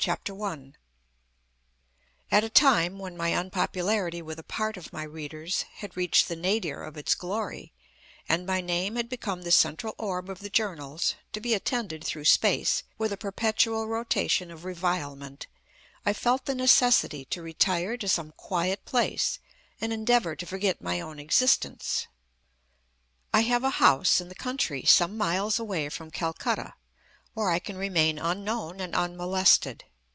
THE DEVOTEE At a time, when my unpopularity with a part of my readers had reached the nadir of its glory, and my name had become the central orb of the journals, to be attended through space with a perpetual rotation of revilement, I felt the necessity to retire to some quiet place and endeavour to forget my own existence. I have a house in the country some miles away from Calcutta, where I can remain unknown and unmolested.